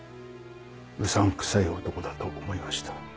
うさんくさい男だと思いました。